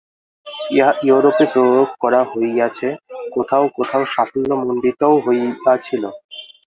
ইহা ইউরোপে প্রয়োগ করা হইয়াছে, কোথাও কোথাও সাফল্যমণ্ডিতও হইয়াছিল।